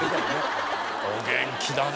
お元気だね。